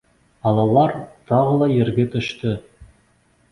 Аллалар тағы ла ергә төштө!